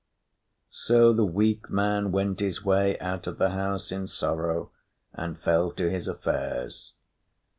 So the weak man went his way out of the house in sorrow and fell to his affairs.